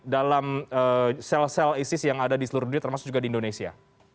dalam sel sel isis yang ada di seluruh dunia termasuk juga di indonesia